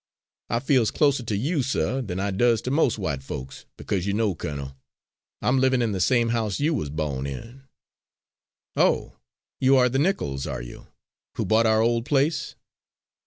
I feels closer to you, suh, than I does to mos' white folks, because you know, colonel, I'm livin' in the same house you wuz bawn in." "Oh, you are the Nichols, are you, who bought our old place?"